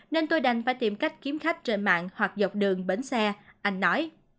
nên tôi đành phải tìm cách kiếm khách trên mạng hoặc dọc đường bến xe anh nói